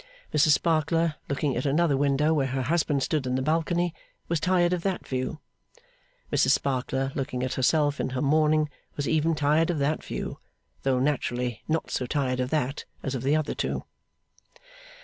Mrs Sparkler, looking at another window where her husband stood in the balcony, was tired of that view. Mrs Sparkler, looking at herself in her mourning, was even tired of that view: though, naturally, not so tired of that as of the other two.